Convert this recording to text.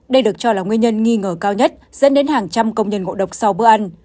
đây được cho là nguyên nhân nghi ngờ cao nhất dẫn đến hàng trăm công nhân ngộ độc sau bữa ăn